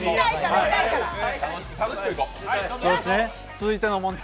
続いての問題